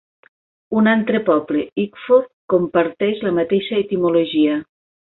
Un altre poble, Ickford, comparteix la mateixa etimologia.